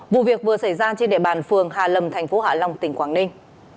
vụ việc vừa xảy ra trên địa bàn phường hà lầm tp hạ long tỉnh quảng ninh